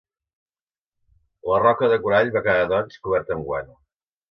La roca de coral va quedar doncs, cobert amb guano.